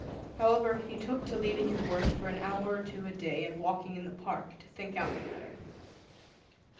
However, he took to leaving his work for an hour or two a day and walking in the park, to think out the matter.